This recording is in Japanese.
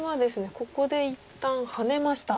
ここで一旦ハネました。